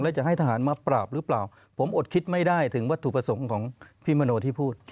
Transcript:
แล้วจะให้ทหารมาปราบหรือเปล่าผมอดคิดไม่ได้ถึงวัตถุประสงค์ของพี่มโนที่พูด